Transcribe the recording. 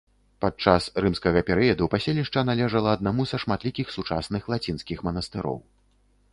Падчас рымскага перыяду паселішча належала аднаму са шматлікіх сучасных лацінскіх манастыроў.